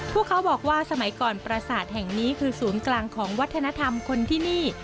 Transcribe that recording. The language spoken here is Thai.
พวกเขาบอกว่าสมัยก่อนประสาทแห่งนี้คือศูนย์กลางของวัฒนธรรมคนที่นี่